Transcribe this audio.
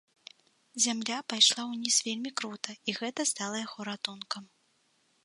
Зямля пайшла ўніз вельмі крута, і гэта стала яго ратункам.